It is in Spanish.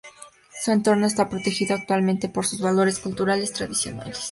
Su entorno está protegido actualmente por sus valores culturales tradicionales.